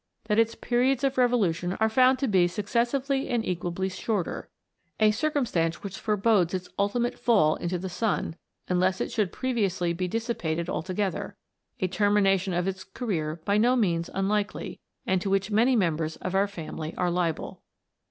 that its periods of revolution are found to be successively and equably shorter, a circumstance which forebodes its ultimate fall into the sun, unless it should previously be dissipated altogether a termination of its career by no means p2 212 A TALE OF A COMET. unlikely, and to which, many members of our family are liable.